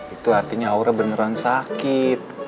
itu artinya aura beneran sakit